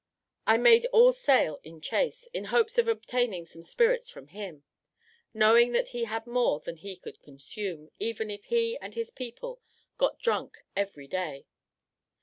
I made all sail in chase, in hopes of obtaining some spirits from him, knowing that he had more than he could consume, even if he and his people got drunk every day.